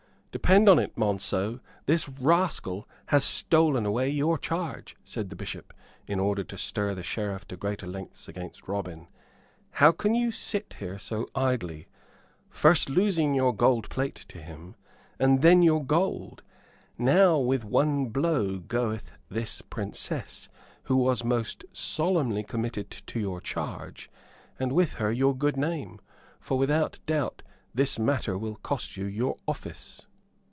"Depend on it, Monceux, this rascal hath stolen away your charge," said the Bishop, in order to stir the Sheriff to greater lengths against Robin. "How can you sit here so idly, first losing your gold plate to him and then your gold? Now, with one blow goeth this Princess who was most solemnly committed to your charge, and with her your good name. For, without doubt, this matter will cost you your office."